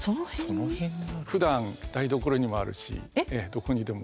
ふだん台所にもあるしどこにでも。